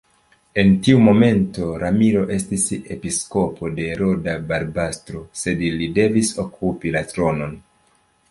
En tiu momento Ramiro estis episkopo de Roda-Barbastro, sed li devis okupi la tronon.